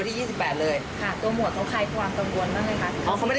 ไม่มีอะไรเป็นพิเศษ